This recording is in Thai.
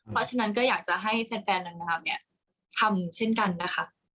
เพราะฉะนั้นก็อยากจะให้แฟนนางงามเนี่ยทำเช่นกันนะคะ